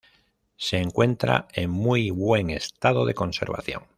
Se encuentra en muy buen estado de conservación.